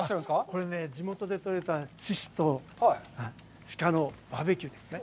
これね、地元でとれたししと鹿のバーベキューですね。